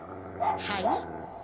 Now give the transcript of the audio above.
はい？